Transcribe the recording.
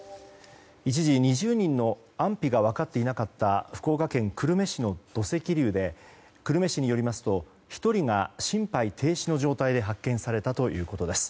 一時、２０人の安否が分かっていなかった福岡県久留米市の土石流で久留米市によりますと１人が心肺停止の状態で発見されたということです。